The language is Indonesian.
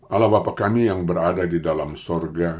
allah bapak kami yang berada di dalam sorga